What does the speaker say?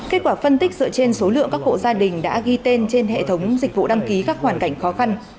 kết quả phân tích dựa trên số lượng các hộ gia đình đã ghi tên trên hệ thống dịch vụ đăng ký các hoàn cảnh khó khăn